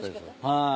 はい。